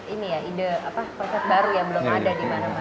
ini ya ide konsep baru yang belum ada di mana mana